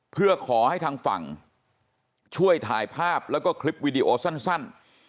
เพื่อขอให้ทางฝั่งช่วยถ่ายภาพแล้วก็คลิปวิดีโอสั้น